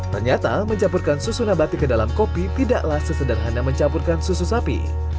ternyata mencampurkan susu nabati ke dalam kopi tidaklah sesederhana mencampurkan susu sapi